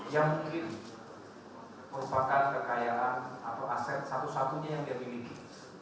yang mungkin merupakan kekayaan atau aset satu satunya yang dia miliki